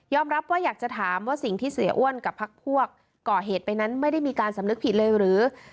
รับว่าอยากจะถามว่าสิ่งที่เสียอ้วนกับพักพวกก่อเหตุไปนั้นไม่ได้มีการสำนึกผิดเลยหรือ